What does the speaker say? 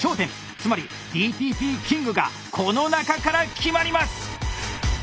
つまりＤＴＰキングがこの中から決まります！